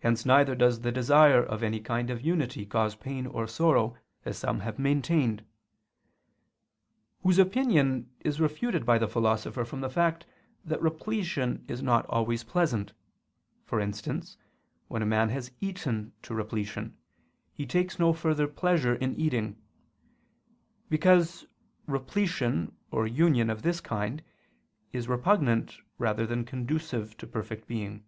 Hence neither does the desire of any kind of unity cause pain or sorrow, as some have maintained: whose opinion is refuted by the Philosopher from the fact that repletion is not always pleasant; for instance, when a man has eaten to repletion, he takes no further pleasure in eating; because repletion or union of this kind, is repugnant rather than conducive to perfect being.